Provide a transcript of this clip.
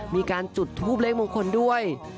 มีการจุดภูมิเล็กมุมคนด้วย